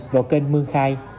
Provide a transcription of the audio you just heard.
vào kênh mương khai